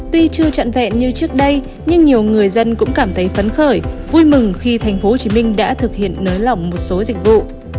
tuy chưa trận vẹn như trước đây nhưng nhiều người dân cũng cảm thấy phấn khởi vui mừng khi thành phố hồ chí minh đã thực hiện nới lỏng một số dịch vụ